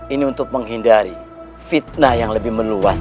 ini untuk menghindari fitnah yang lebih meluas